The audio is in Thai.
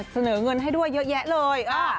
เสนอเงินให้ด้วยเยอะแยะเลย